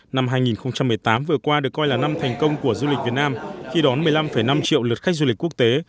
năm hai nghìn một mươi tám vừa qua được coi là năm thành công của du lịch việt nam khi đón một mươi năm năm triệu lượt khách du lịch quốc tế